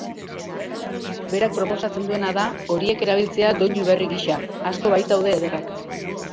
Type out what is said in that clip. Berak proposatzen duena da horiek erabiltzea doinu berri gisa, asko baitaude ederrak.